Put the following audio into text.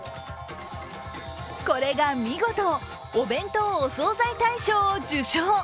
これが見事お弁当・お惣菜大賞を受賞。